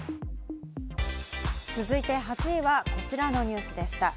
続いて８位はこちらのニュースでした。